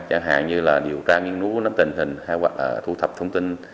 chẳng hạn như điều tra nghiên cứu nắm tình hình hoặc thu thập thông tin